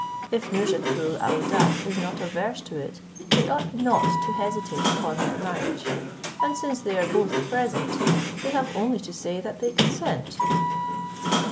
If Nouzhatoul aouadat is not averse to it, we ought not to hesitate upon their marriage; and since they are both present, they have only to say that they consent."